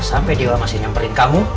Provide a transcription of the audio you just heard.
sampai dia masih nyamperin kamu